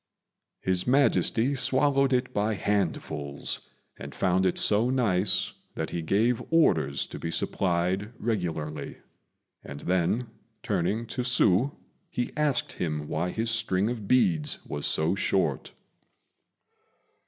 His Majesty swallowed it by handfuls, and found it so nice that he gave orders to be supplied regularly; and then, turning to Hsü, he asked him why his string of beads was so short.